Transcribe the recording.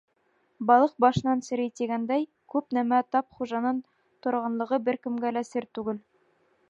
Балыҡ башынан серей тигәндәй, күп нәмә тап хужанан торғанлығы бер кемгә лә сер түгел.